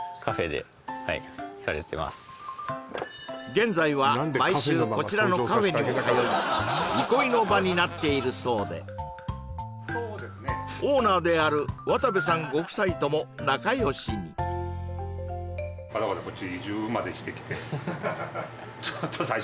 現在は毎週こちらのカフェにも通い憩いの場になっているそうでオーナーである渡部さんご夫妻とも仲よしにわざわざこっち